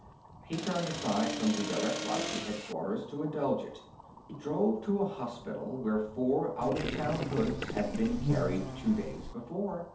He turned aside from the direct route to Headquarters to indulge it. He drove to a hospital where four out of town hoods had been carried two days before.